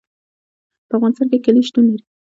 په افغانستان کې کلي شتون لري.